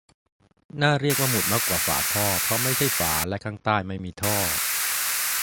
"น่าเรียกว่าหมุดมากกว่าฝาท่อ เพราะไม่ใช่ฝา และข้างใต้ไม่มีท่อ"